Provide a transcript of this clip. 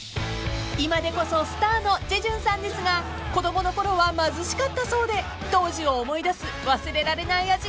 ［今でこそスターのジェジュンさんですが子供のころは貧しかったそうで当時を思い出す忘れられない味があるそうです］